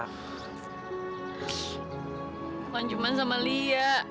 kan cuman sama lia